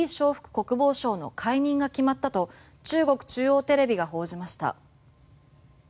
国防相の解任が決まったと中国中央テレビが報じました。